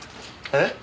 えっ！？